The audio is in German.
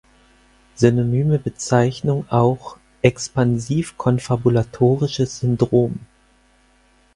Synonyme Bezeichnung auch "Expansiv-konfabulatorisches Syndrom".